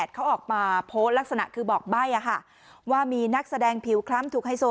เขาออกมาโพสต์ลักษณะคือบอกใบ้ว่ามีนักแสดงผิวคล้ำถูกไฮโซ